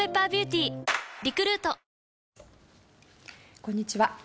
こんにちは。